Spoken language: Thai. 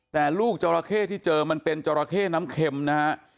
แต่ลูกจราเข้ที่เจอมันเป็นจราเข้น้ำเข็มนะฮะ